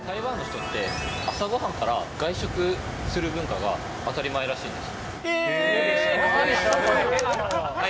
人気のグルメが集まる所には、台湾の人って、朝ごはんから外食する文化が当たり前らしいんです。